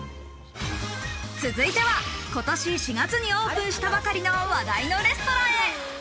続いては今年４月にオープンしたばかりの話題のレストランへ。